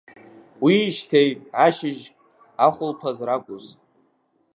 Уиижьҭеи ашьыжь, ахәылԥаз ракәыз…